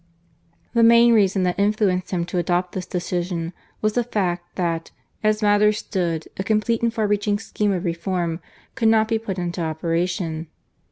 The main reason that influenced him to adopt this decision was the fact that, as matters stood, a complete and far reaching scheme of reform could not be put into operation.